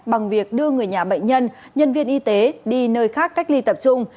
bằng việc đưa người nhà bệnh nhân nhân viên y tế đi nơi khác cách ly tập trung